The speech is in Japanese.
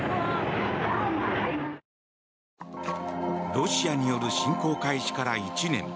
ロシアによる侵攻開始から１年。